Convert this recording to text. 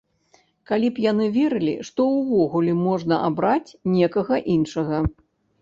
Калі б яны верылі, што ўвогуле можна абраць некага іншага.